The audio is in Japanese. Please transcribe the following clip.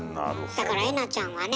だからえなちゃんはね